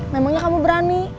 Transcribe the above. memangnya kamu berani